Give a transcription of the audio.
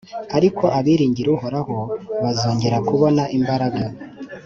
Ariko abiringira Uhoraho, bazongera kubona imbaraga: